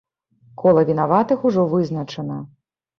Кола вінаватых ужо вызначана.